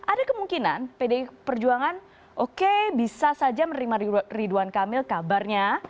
ada kemungkinan pdi perjuangan oke bisa saja menerima ridwan kamil kabarnya